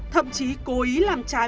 thậm chí cố ý làm trái